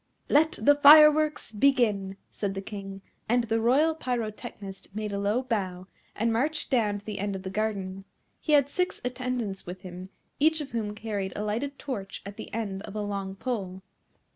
"Let the fireworks begin," said the King; and the Royal Pyrotechnist made a low bow, and marched down to the end of the garden. He had six attendants with him, each of whom carried a lighted torch at the end of a long pole.